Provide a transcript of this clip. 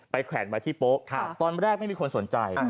แขวนไว้ที่โป๊ะตอนแรกไม่มีคนสนใจ